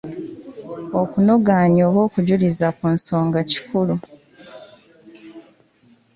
Okunogaanya oba okujjuuliriza ku nsonga kikulu.